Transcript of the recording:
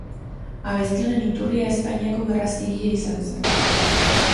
Abesti honen iturria Espainiako Gerra Zibila izan zen.